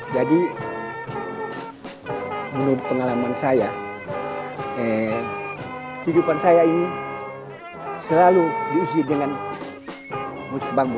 jadi menurut pengalaman saya eh kehidupan saya ini selalu diisi dengan musik bambu